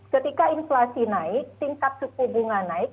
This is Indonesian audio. ketika inflasi naik tingkat suku bunga naik